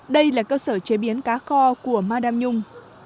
đây là cơ sở chế biến cá kho của ma đam nhung